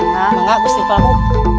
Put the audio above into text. mala gusti prabu